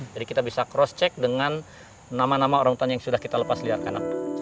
jadi kita bisa cross check dengan nama nama orang utan yang sudah kita lepasliarkan